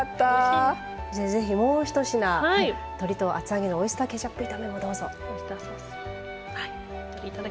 ぜひ、もうひと品鶏と厚揚げのオイスターケチャップ炒めをどうぞ。